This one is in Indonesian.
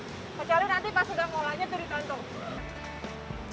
kecuali nanti pas udah ngolaknya tuh ditantung